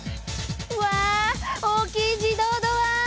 うわ大きい自動ドア！